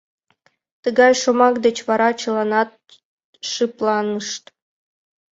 Тыгай шомак деч вара чыланат шыпланышт.